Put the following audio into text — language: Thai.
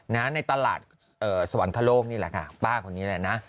ในตลาดสวรรคโลกนี่แหละค่ะป้าคนนี้แหละนะ